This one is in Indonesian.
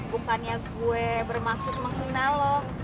bukannya gue bermaksud mengenal lo